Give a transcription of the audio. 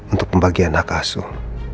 untuk pembagian hak asuh